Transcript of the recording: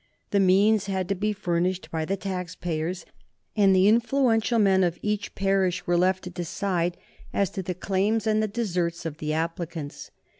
The means had to be furnished by the taxpayers, and the influential men of each parish were left to decide as to the claims and the deserts of the applicants.